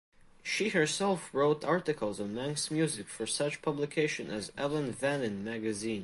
She herself wrote articles on Manx music for such publications as "Ellan Vannin" magazine.